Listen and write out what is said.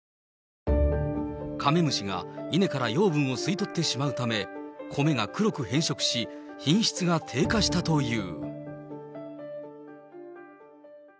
カメムシが稲から養分を吸い取ってしまうため、米が黒く変色し、品質が低下したという。